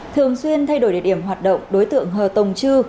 thường xuyên thay đổi địa điểm hoạt động đối tượng hờ tồng chư